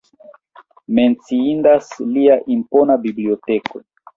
Menciindas lia impona biblioteko.